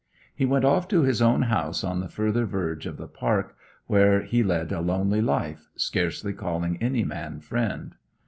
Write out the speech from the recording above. He went off to his own house on the further verge of the park, where he led a lonely life, scarcely calling any man friend.